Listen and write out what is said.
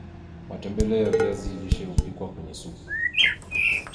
matembele ya viazi lishe hupikwa kwenye supu